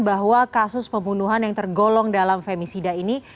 bahwa kasus pembunuhan yang tergolong dalam femisida ini